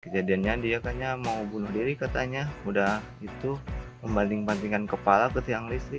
kejadiannya dia kayaknya mau bunuh diri katanya udah itu membanding bandingkan kepala ke tiang listrik